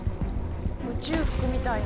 宇宙服みたいな。